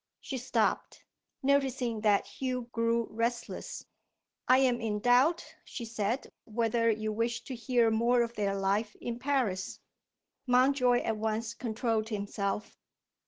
She stopped, noticing that Hugh grew restless. "I am in doubt," she said, "whether you wish to hear more of their life in Paris." Mountjoy at once controlled himself.